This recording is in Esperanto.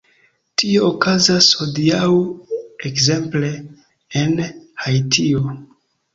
Tio okazas hodiaŭ, ekzemple, en Haitio.